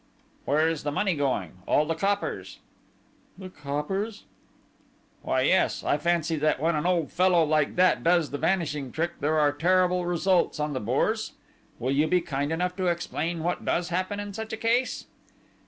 "Where is the money going all the coppers?" "The coppers?" "Why, yes! I fancy that when an old fellow like that does the vanishing trick, there are terrible results on the Bourse? Will you be kind enough to explain what does happen in such a case?"